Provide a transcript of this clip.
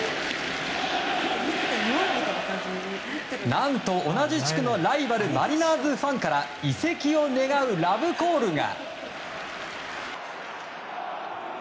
何と、同じ地区のライバルマリナーズファンから移籍を願うラブコールが。